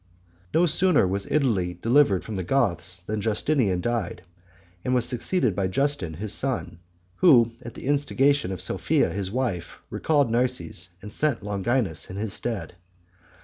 No sooner was Italy delivered from the Goths than Justinian died, and was succeeded by Justin, his son, who, at the instigation of Sophia, his wife, recalled Narses, and sent Longinus in his stead.